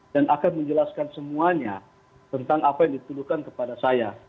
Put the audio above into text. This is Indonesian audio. dan akan menjelaskan semuanya tentang apa yang dituduhkan kepada saya